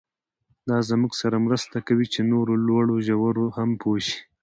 دا زموږ سره مرسته کوي چې نورو لوړو ژورو هم پوه شو.